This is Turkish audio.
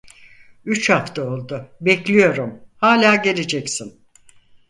Üç hafta oldu, bekliyorum, hâlâ geleceksin!